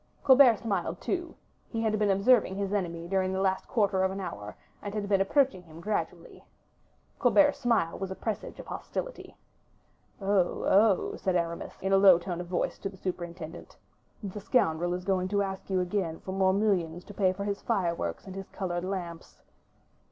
Colbert smiled too; he had been observing his enemy during the last quarter of an hour, and had been approaching him gradually. Colbert's smile was a presage of hostility. "Oh, oh!" said Aramis, in a low tone of voice to the superintendent; "the scoundrel is going to ask you again for more millions to pay for his fireworks and his colored lamps."